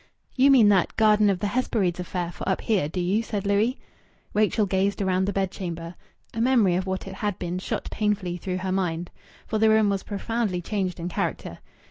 "You mean that 'Garden of the Hesperides' affair for up here, do you?" said Louis. Rachel gazed round the bedchamber. A memory of what it had been shot painfully through her mind. For the room was profoundly changed in character.